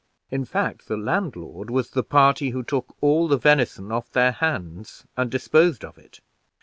In fact, the landlord was the party who took all the venison off their hands, and disposed of it.